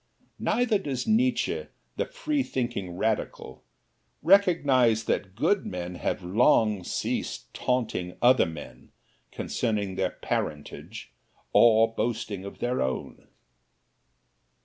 Neither does Nietzsche, the freethinking radical, recognize that good men have long ceased taunting other men concerning their parentage, or boasting of their own.